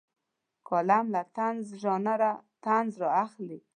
کالم له طنز ژانره طنز رااخلي.